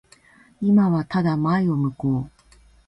今はただ前を向こう。